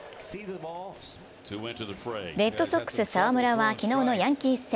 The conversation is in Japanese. レッドソックス・澤村は昨日のヤンキース戦。